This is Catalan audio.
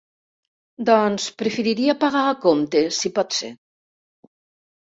Doncs preferiria pagar a compte, si pot ser?